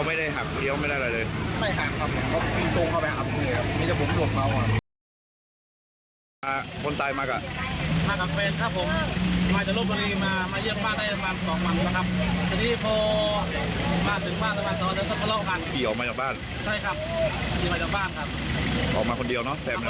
ไม่หักเดียวไม่ได้อะไรเลย